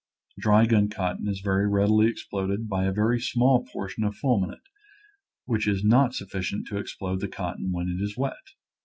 Dry gun cotton is very readily exploded by a very small portion of fulminate, which is not suf ficient to explode the cotton when it is wet.